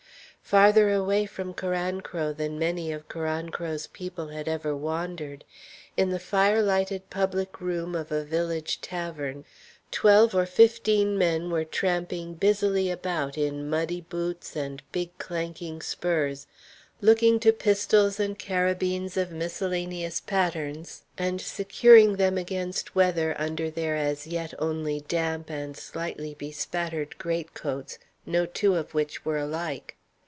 Farther away from Carancro than many of Carancro's people had ever wandered, in the fire lighted public room of a village tavern, twelve or fifteen men were tramping busily about, in muddy boots and big clanking spurs, looking to pistols and carbines of miscellaneous patterns, and securing them against weather under their as yet only damp and slightly bespattered great coats, no two of which were alike.